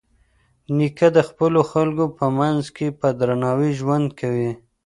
نیکه د خپلو خلکو په منځ کې په درناوي ژوند کوي.